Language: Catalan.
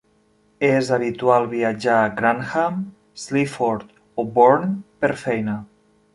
És habitual viatjar a Grantham, Sleaford o Bourne per feina.